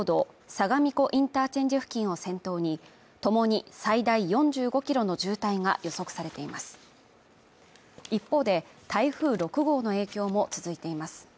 相模湖インターチェンジ付近を先頭に共に最大４５キロの渋滞が予測されています一方で台風６号の影響も続いています